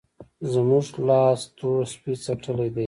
زموږ لاس تور سپی څټلی دی.